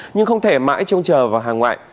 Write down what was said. nhưng không thể mãi trông chờ vào hàng ngoại